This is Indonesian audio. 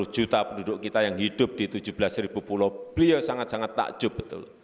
dua puluh juta penduduk kita yang hidup di tujuh belas ribu pulau beliau sangat sangat takjub betul